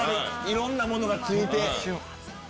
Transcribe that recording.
いろんなものがついて。